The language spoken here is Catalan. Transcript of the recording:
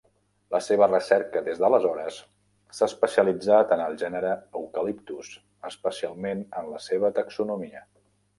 La seva recerca des d'aleshores s'ha especialitzat en el gènere "Eucalyptus", especialment en la seva taxonomia.